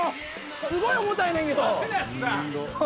すごい重たいねんけど。